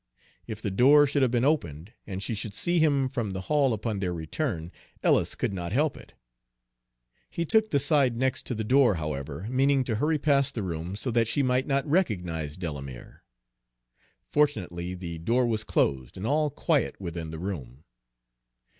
If the door should have been opened, and she should see him from the hall upon their return, Ellis could not help it. He took the side next to the door, however, meaning to hurry past the room so that she might not recognize Delamere. Fortunately the door was closed and all quiet within the room.